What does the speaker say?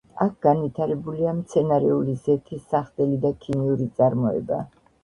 აქ განვითარებულია მცენარეული ზეთის სახდელი და ქიმიური წარმოება.